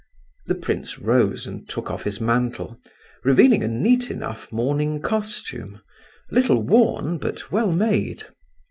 The prince rose and took off his mantle, revealing a neat enough morning costume—a little worn, but well made.